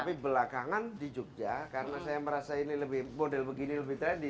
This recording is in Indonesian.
tapi belakangan di jogja karena saya merasa ini lebih model begini lebih trendy